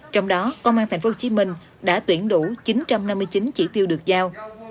trong đó công an thành phố hồ chí minh đã tuyển đủ chín trăm năm mươi chín chỉ tiêu được giao